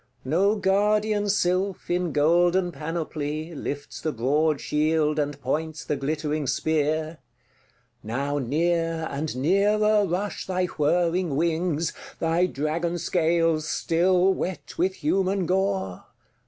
No guardian sylph, in golden panoply, Lifts the broad shield, and points the glittering spear. Now near and nearer rush thy whirring wings, Thy dragon scales still wet with human gore.